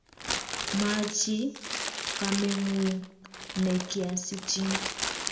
Machi kameng'ung' ne kiasichin